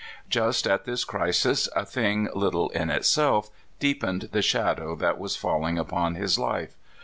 Just at this crisis, a thing little in itself deepened the shadow that was falling upon his life.